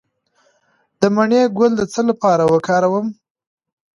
د مڼې ګل د څه لپاره وکاروم؟